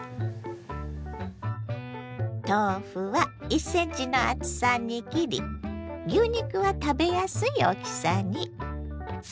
豆腐は１ｃｍの厚さに切り牛肉は食べやすい大きさに。